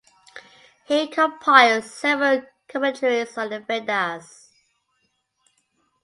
He compiled several commentaries on the Vedas.